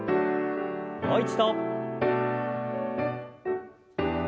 もう一度。